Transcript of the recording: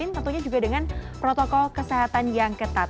tentunya juga dengan protokol kesehatan yang ketat